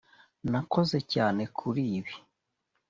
Nakoze cyane kuri ibi